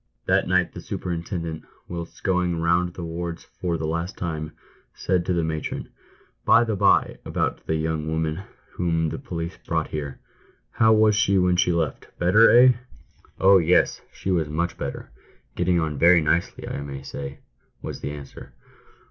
That night the superintendent, whilst going round the wards for the last time, said to the matron :" By the by ! about that young woman whom the policeman brought here ; how was she when she left ? Better— eh ?"" Oh, yes, she was much better — getting on very nicely, I may say," was the answer.